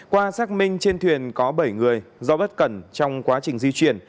qua xác minh trên thuyền có bảy người do bất cẩn trong quá trình di chuyển